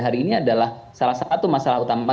hari ini adalah salah satu masalah utama